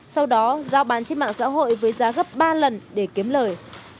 sau đó giao bán trên mạng xã hội với giá gấp ba lần để kiếm lời